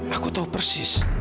aku tahu persis